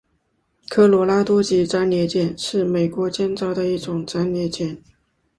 科罗拉多级战列舰是美国建造的一种战列舰。